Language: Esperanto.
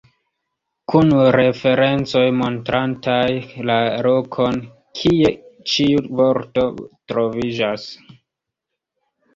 Kun referencoj montrantaj la lokon, kie ĉiu vorto troviĝas.